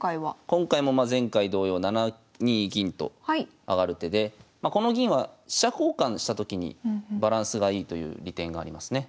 今回も前回同様７二銀と上がる手でこの銀は飛車交換したときにバランスがいいという利点がありますね。